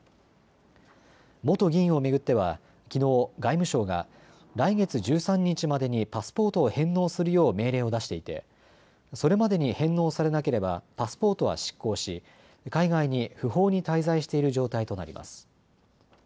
元議員を巡ってははきのう外務省が来月１３日までにパスポートを返納するよう命令を出していてそれまでに返納されなければパスポートは失効し海外に不法に滞在している状態となります。